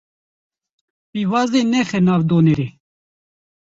Pîvazê nexe nav donerê.